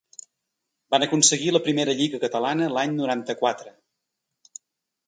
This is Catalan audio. Van aconseguir la primera Lliga catalana l'any noranta-quatre.